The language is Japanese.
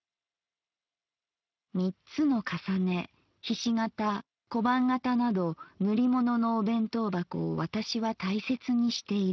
「三つの重ね菱形小判型など塗り物のお弁当箱を私は大切にしている。